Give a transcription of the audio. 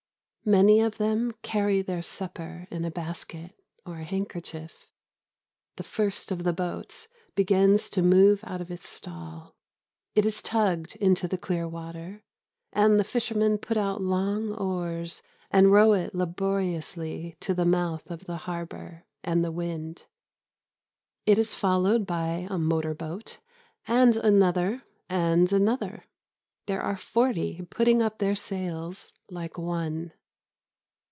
Many of them carry their supper in a basket or a handkerchief. The first of the boats begins to move out of its stall. It is tugged into the clear water, and the fishermen put out long oars and row it laboriously to the mouth of the harbour and the wind. It is followed by a motor boat, and another, and another. There are forty putting up their sails like one.